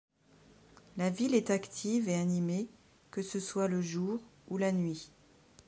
La ville est active et animée que ce soit le jour ou la nuit.